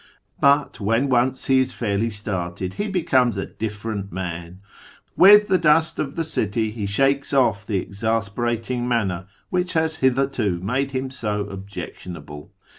But when once he is fairly started he becomes a different man. With the dust of the city he shakes off the exasperating manner which has hitherto made him so objectionable.